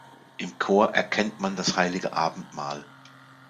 Im Chor erkennt man das heilige Abendmahl.